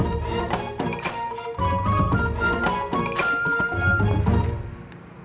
ini tidak bisa